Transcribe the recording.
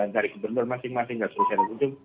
dari gubernur masing masing